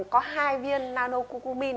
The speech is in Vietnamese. có hai viên nano cu cu min